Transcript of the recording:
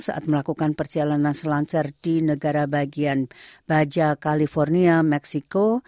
saat melakukan perjalanan selancar di negara bagian baja california meksiko